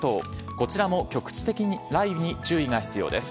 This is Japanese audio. こちらも局地的に雷雨に注意が必要です。